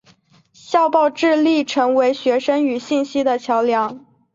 校报致力成为学生与信息的桥梁。